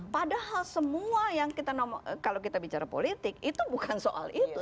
padahal semua kalau kita bicara politik itu bukan soal itu